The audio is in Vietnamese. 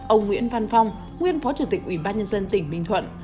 ông nguyễn văn phong nguyên phó tri cục ủy ban nhân dân tỉnh bình thuận